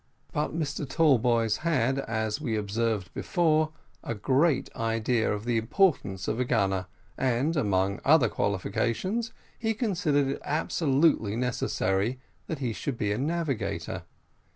But Mr Tallboys had, as we observed before, a great idea of the importance of a gunner, and, among other qualifications, he considered it absolutely necessary that he should be a navigator.